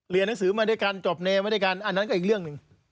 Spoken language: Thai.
หนังสือมาด้วยกันจบเนมาด้วยกันอันนั้นก็อีกเรื่องหนึ่ง